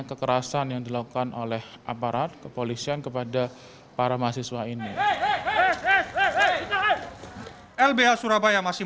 kekerasan yang dilakukan oleh aparat kepolisian kepada para mahasiswa ini lbh surabaya masih